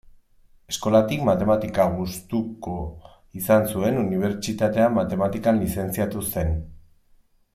Eskolatik matematika gustuko izan zuen, Unibertsitatean Matematikan lizentziatu zen.